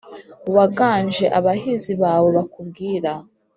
waganje abahizi bawe bakubwira